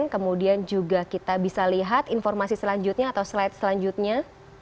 kemudian juga kita bisa lihat informasi selanjutnya atau slide selanjutnya